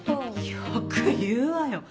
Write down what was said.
よく言うわよ。